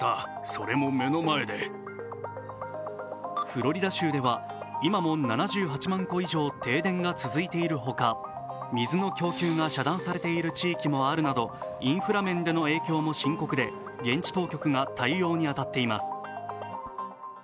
フロリダ州では今も７８万戸以上停電が続いているほか、水の供給が遮断されている地域もあるなどインフラ面での影響も深刻で現地当局が対応に当たっています。